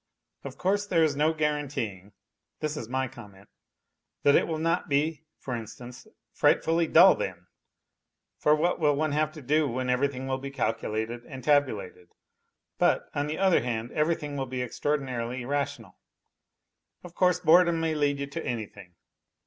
Of course there Is no guaranteeing (this is my comment) that it will not be, for instance, frightfully dull then (for what will one have to do when everything will be calculated and tabulated), but on the other hand everything will be extraordinary rational. Of course boredom may lead you to anything.